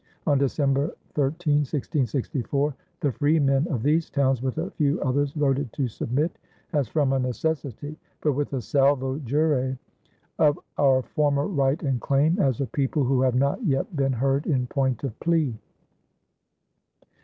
On December 13, 1664, the freemen of these towns, with a few others, voted to submit, "as from a necessity ... but with a salvo jure of our former right & claime, as a people who have not yet been heard in point of plea."